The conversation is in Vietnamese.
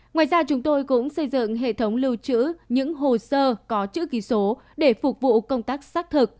ngoài ra chúng tôi cũng xây dựng hệ thống lưu trữ những hồ sơ có chữ ký số để phục vụ công tác xác thực